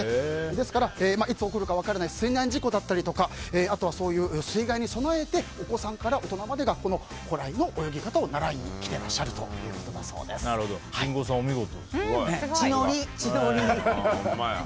ですから、いつ起こるか分からない水難事故ですとかあとは、そういう水害に備えてお子さんから大人までがこの古来の泳ぎ方を習いに来ていらっしゃるリンゴさん、お見事。